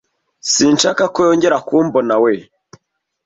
Sinshaka ko yongera kumbonawe.